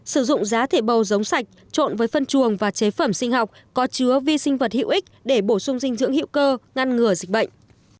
sử dụng giá thể bầu giống sạch trộn với phân chuồng và chế phẩm sinh học có chứa vi sinh vật hữu ích để bổ sung dinh dưỡng hiệu cơ ngăn ngừa dịch bệnh